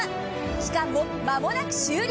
期間も間もなく終了。